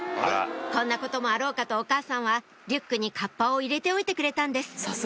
こんなこともあろうかとお母さんはリュックにカッパを入れておいてくれたんです